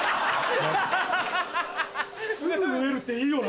すぐ縫えるっていいよな。